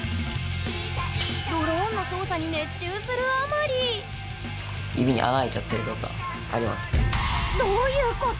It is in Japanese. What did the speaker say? ドローンの操作に熱中するあまりあります。